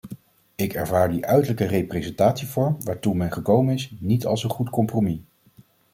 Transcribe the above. Ik ervaar de uiterlijke representatievorm waartoe men gekomen is, niet als een goed compromis.